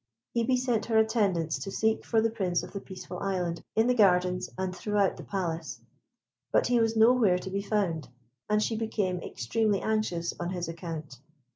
Hebe sent her attendants to seek for the Prince of the Peaceful Island in the gardens, and throughout the Palace; but he was nowhere to be found, and she became extremely anxious on his account.